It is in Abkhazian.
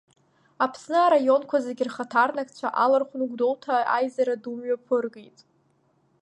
Аԥсны араионқәа зегьы рхаҭарнакцәа алархәны Гәдоуҭа аизара ду мҩаԥыргеит.